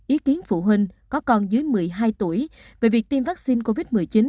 ý kiến phụ huynh có con dưới một mươi hai tuổi về việc tiêm vaccine covid một mươi chín